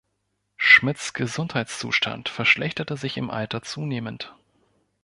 Schmids Gesundheitszustand verschlechterte sich im Alter zunehmend.